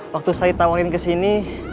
waktu saya ditawarin kesini